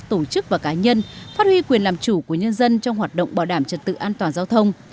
tổ chức và cá nhân phát huy quyền làm chủ của nhân dân trong hoạt động bảo đảm trật tự an toàn giao thông